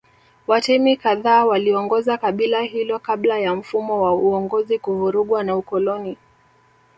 Watemi kadhaa waliongoza kabila hilo kabla ya mfumo wa uongozi kuvurugwa na ukoloni